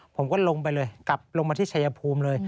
ผมก็ลงไปเลยกลับลงมาที่ชายภูมิเลย